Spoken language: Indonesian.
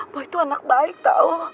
boy tuh anak baik tau